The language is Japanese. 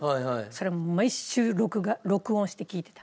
それを毎週録画録音して聴いてた。